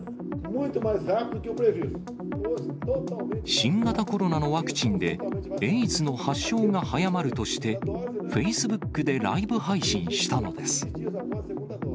新型コロナのワクチンで、エイズの発症が早まるとして、フェイスブックでライブ配信したのです。